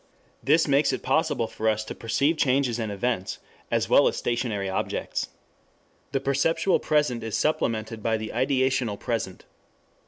This makes it possible for us to perceive changes and events as well as stationary objects. The perceptual present is supplemented by the ideational present.